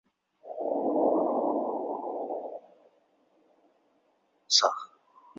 有子俞深。